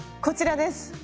こちらです！